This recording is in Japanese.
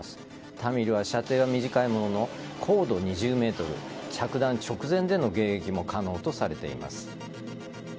タミルは射程は短いものの高度２０ｍ着弾直前での迎撃も可能とされています。